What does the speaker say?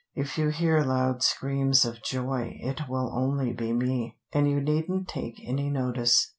If you hear loud screams of joy, it will only be me, and you needn't take any notice."